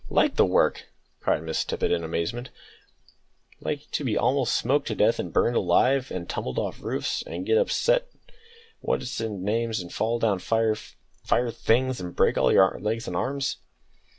"Like the work!" cried Miss Tippet, in amazement; "like to be almost smoked to death, and burned alive, and tumbled off roofs, and get upset off what's its names, and fall down fire fire things, and break all your legs and arms!"